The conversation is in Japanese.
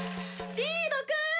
「リードくん！